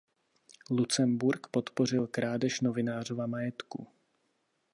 Lucemburk podpořil krádež novinářova majetku.